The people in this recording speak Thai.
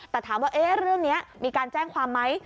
แต่ถามว่าเรื่องนี้มีการแจ้งความไหม